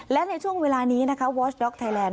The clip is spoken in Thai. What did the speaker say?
และในช่วงเวลานี้นะคะวอชด็อกไทยแลนด